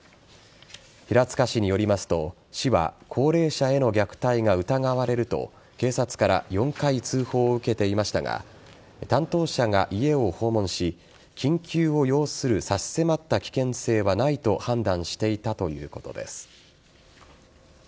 平塚市によりますと市は高齢者への虐待が疑われると警察から４回通報を受けていましたが担当者が家を訪問し緊急を要する差し迫った危険性はないと判断していたということです。